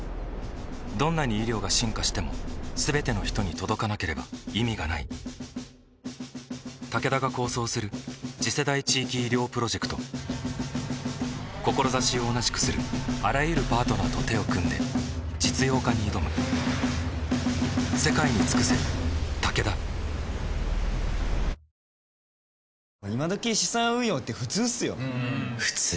どんなに医療が進化しても全ての人に届かなければ意味がないタケダが構想する次世代地域医療プロジェクト志を同じくするあらゆるパートナーと手を組んで実用化に挑むさあ、荒川さんの１番ランキング。